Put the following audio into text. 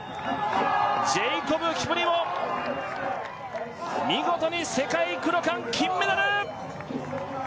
ジェイコブ・キプリモ見事に世界クロカン金メダル！